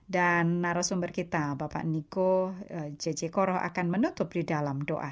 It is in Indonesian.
dan naro sumber kita bapak niko j j koroh akan menutup di dalam doa